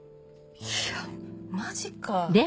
いやマジか。